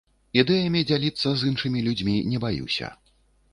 Ідэямі дзяліцца з іншымі людзьмі не баюся.